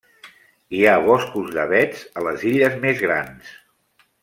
Hi ha boscos d'avets a les illes més grans.